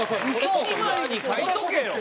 １枚に書いとけよ！